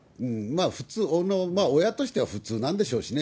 普通、親としては普通なんでしょうしね。